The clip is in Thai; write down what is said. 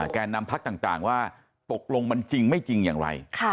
แก่นำพักต่างว่าตกลงมันจริงไม่จริงอย่างไร